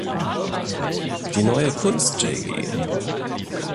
Die Neue Kunst, Jg.